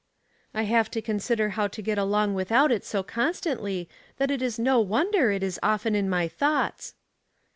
" I have to consider how to get along without it so constantly, that it is no wonder it is often in my thoughts."